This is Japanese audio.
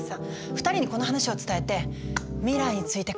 ２人にこの話を伝えて未来について語り合うの。